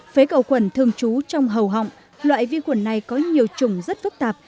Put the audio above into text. phế cầu quẩn thường trú trong hầu họng loại vi khuẩn này có nhiều chủng rất phức tạp